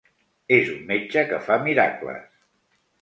És un metge que fa miracles.